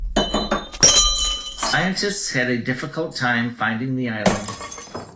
Scientists had a difficult time finding the island.